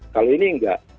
kalau ini enggak